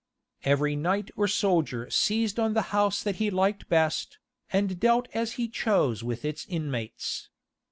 Every knight or soldier seized on the house that he liked best, and dealt as he chose with its inmates.